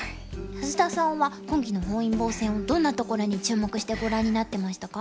安田さんは今期の本因坊戦をどんなところに注目してご覧になってましたか？